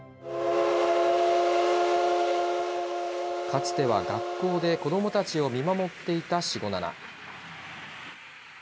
かつては学校で子どもたちを見守っていたシゴナナ。